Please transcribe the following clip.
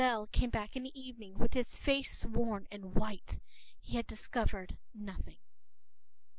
p>Loisel came back in the evening, with his face worn and white; he had discovered nothing.